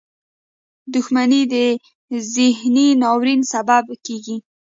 • دښمني د ذهني ناورین سبب کېږي.